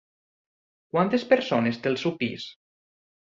Quantes persones té el seu pis?